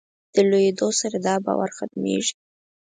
د لویېدو سره دا باور ختمېږي.